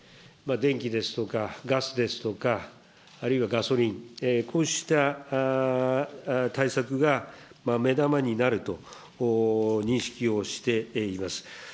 電気ですとかガスですとか、あるいはガソリン、こうした対策が目玉になると認識をしています。